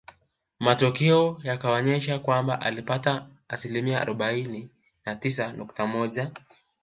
Matokeo yakaonesha kwamba alipata asilimia arobaini na tisa nukta moja